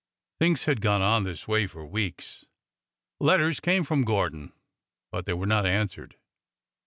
Things had gone on this way for weeks. Letters came from Gordon, but they were not answered.